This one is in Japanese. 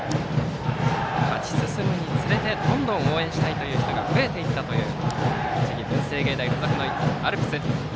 勝ち進むにつれてどんどん応援したいという人が増えてきたという栃木・文星芸大付属のアルプス。